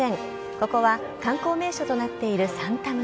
ここは観光名所となっているサンタ村。